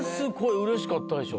うれしかったでしょ？